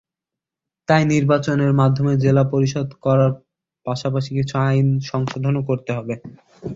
তাই নির্বাচনের মাধ্যমে জেলা পরিষদ করার পাশাপাশি কিছু আইনি সংশোধনও করতে হবে।